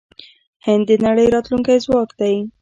هند د نړۍ راتلونکی ځواک دی.